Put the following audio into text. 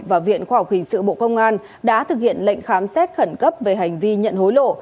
và viện khoa học hình sự bộ công an đã thực hiện lệnh khám xét khẩn cấp về hành vi nhận hối lộ